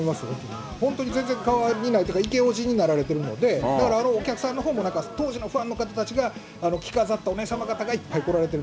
本当に全然変わらないというか、イケオジになられているので、だからお客さんのほうも当時のファンの方たちが、着飾ったお姉さまたちがいっぱい来られてる。